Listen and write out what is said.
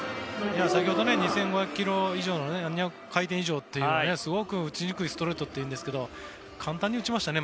先ほど２５００以上の回転ということですごく打ちにくいストレートなんですけど簡単に打ちましたね。